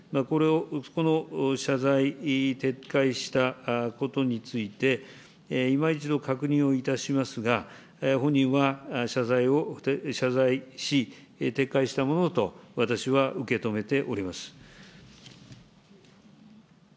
この謝罪、撤回したことについて、いま一度確認をいたしますが、本人は謝罪し、撤回したものと私は受け止めております。